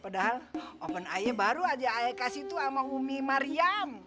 padahal open ayah baru aja ayah kasih itu sama umi mariam